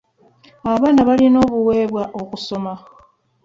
Abaana balina obuweebwa okusoma.